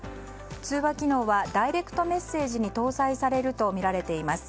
通話機能はダイレクトメッセージに搭載されるとみられています。